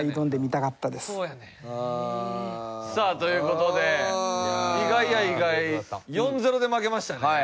さあという事で意外や意外４−０で負けましたね。